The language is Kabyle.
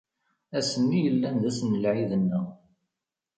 Ass-nni yellan d ass n lɛid-nneɣ.